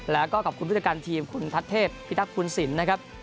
แล้วก็ขอบคุณวิจัยการทีมคุณทัศน์เทพพี่ทัศน์คุณสินนะครับ